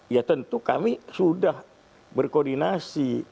ya tentu kami sudah berkoordinasi